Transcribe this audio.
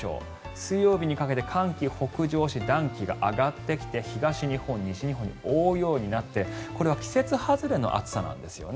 水曜日にかけて寒気が北上して暖気が上がってきて東日本、西日本を覆うようになってこれは季節外れの暑さなんですよね。